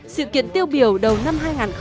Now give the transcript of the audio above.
sự kiện tiêu biểu đầu năm hai nghìn một mươi chín